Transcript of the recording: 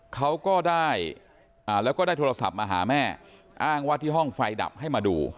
เขาก็ได้แล้วก็ได้โทรศัพท์มาหาแม่อ้างว่าที่ห้องไฟดับให้มาดู